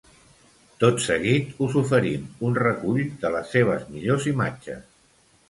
Tot seguit us oferim un recull de les seves millors imatges.